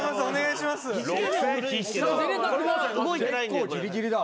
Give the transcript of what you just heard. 結構ギリギリだ。